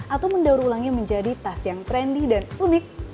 atau mendaur ulangnya menjadi tas yang trendy dan unik